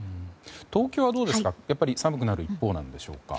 東京はどうですか寒くなる一方なんですか。